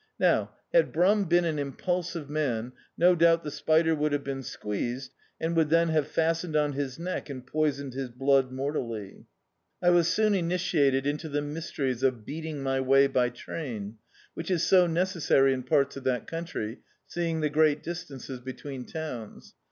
Now, had Brum been an impulsive man, no doubt the spider would have been squeezed, and would have then fastened on bis neck and poisoned his blood mortally. I was soon initiated into the mysteries of bcatii^ my way by train, which is so necessary in parts of that country, seeing the great distances between towns.